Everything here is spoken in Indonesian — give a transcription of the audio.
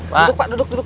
duduk pak duduk duduk